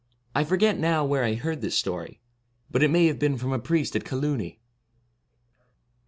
' I forget, now, where I heard this story, but it may have been from a priest at Coilooney.